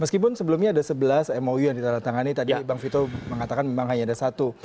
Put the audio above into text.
meskipun sebelumnya ada sebelas mou yang ditandatangani tadi bang vito mengatakan memang hanya ada satu